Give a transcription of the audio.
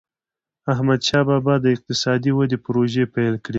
احمدشاه بابا به د اقتصادي ودي پروژي پیل کړي.